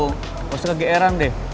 gak usah nge gr an deh